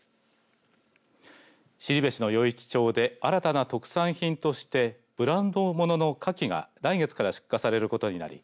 後志の余市町で新たな特産品としてブランドのものの、かきが来月から出荷されることになり